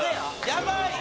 やばい！